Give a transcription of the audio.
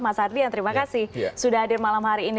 mas ardian terima kasih sudah hadir malam hari ini